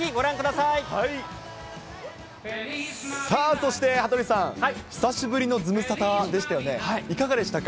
さあ、そして羽鳥さん、久しぶりのズムサタでしたよね、いかがでしたか？